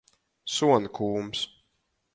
Suonkūms.